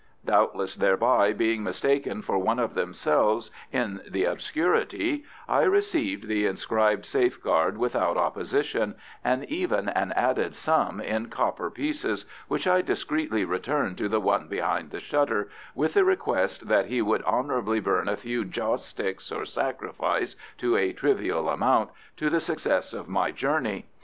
Doubtless thereby being mistaken for one of themselves in the obscurity, I received the inscribed safeguard without opposition, and even an added sum in copper pieces, which I discreetly returned to the one behind the shutter, with the request that he would honourably burn a few joss sticks or sacrifice to a trivial amount, to the success of my journey.